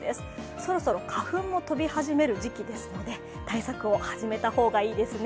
そろそろ花粉も飛び始める時期ですので、対策を始めた方がいいですね。